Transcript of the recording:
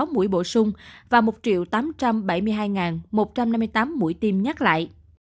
hai trăm ba mươi năm sáu trăm một mươi sáu mũi bổ sung và một tám trăm bảy mươi hai một trăm năm mươi tám mũi tiêm nhắc lại